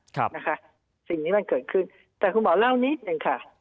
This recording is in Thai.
ครับนะคะสิ่งนี้มันเกิดขึ้นแต่คุณหมอเล่านิดหนึ่งค่ะ